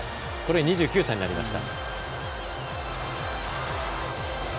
２９歳になりました。